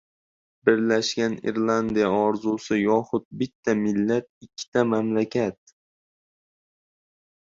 Birlashgan Irlandiya orzusi yoxud bitta millat — ikkita mamlakat